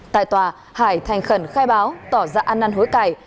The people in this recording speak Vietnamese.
tại tòa hải thành khẩn khai báo tỏ ra ăn năn hối cải